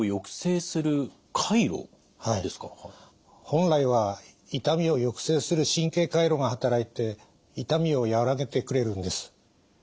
本来は痛みを抑制する神経回路が働いて痛みを和らげてくれるんです。